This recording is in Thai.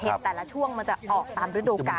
แต่ละช่วงมันจะออกตามฤดูกาล